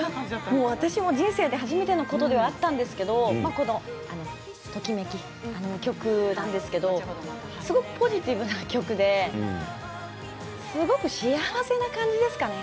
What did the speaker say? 私も人生で初めてのことではあったんですけれどこの「ときめき」という曲なんですがすごくポジティブな曲ですごく幸せな感じですかね。